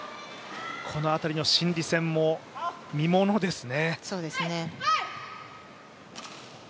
この辺りの心理戦も見ものですね。